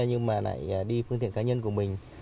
nhưng mà lại đi phương tiện cá nhân của mình